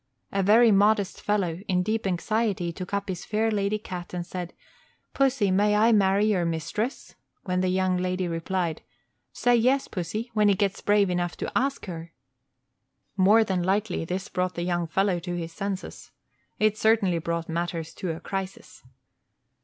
A very modest fellow, in deep anxiety, took up his fair lady's cat, and said, "Pussy, may I marry your mistress?" when the young lady replied, "Say yes, pussy, when he gets brave enough to ask for her." More than likely this brought the young fellow to his senses. It certainly brought matters to a crisis.